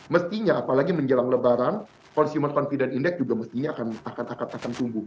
mestinya apalagi menjelang lebaran consumer confident index juga mestinya akan tumbuh